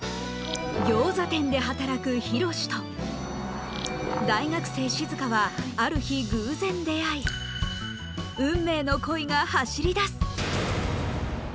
ギョーザ店で働くヒロシと大学生しずかはある日偶然出会い運命の恋が走りだす